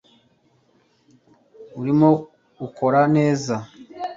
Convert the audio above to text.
urimo ukora neza